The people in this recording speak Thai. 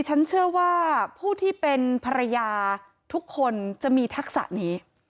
ฉันเชื่อว่าผู้ที่เป็นภรรยาทุกคนจะมีทักษะนี้